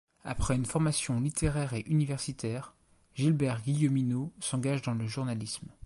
Après une formation littéraire et universitaire, Gilbert Guilleminault s'engage dans le journalisme.